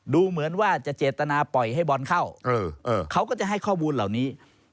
ดูเหมือนว่าจะเจตนาปล่อยให้บอลเข้าเขาก็จะให้ข้อมูลเหล่านี้